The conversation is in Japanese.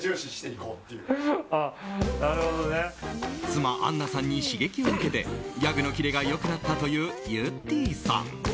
妻あんなさんに刺激を受けてギャグのキレが良くなったというゆってぃさん。